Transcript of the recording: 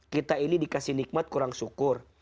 kita ini dikasih nikmat kurang syukur